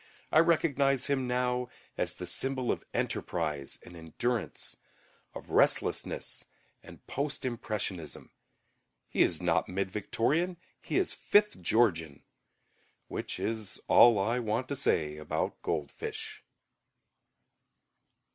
I recognize him now as the symbol of enterprise and endurance, of restlessness and Post Impressionism. He is not mid Victorian, he is Fifth Georgian. Which is all I want to say about goldfish.